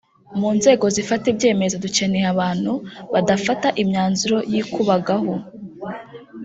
mu nzego zifata ibyemezo ducyeneye abantu badafata imyanzuro y’ikubagahu